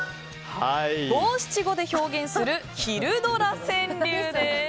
五七五で表現する昼ドラ川柳です。